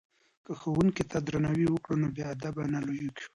که ښوونکي ته درناوی وکړو نو بې ادبه نه لویږو.